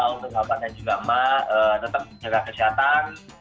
untuk bapaknya juga emak tetap jaga kesehatan